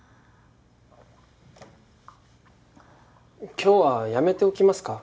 今日はやめておきますか？